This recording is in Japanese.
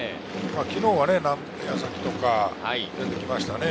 昨日は矢崎とか出てきましたよね。